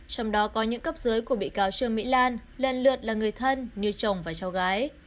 trong đó có những cấp dưới của bị cáo trương mỹ lan lần lượt là người thân như chồng và cháu gái